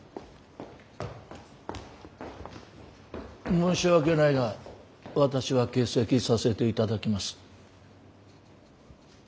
申し訳ないが私は欠席させていただきます。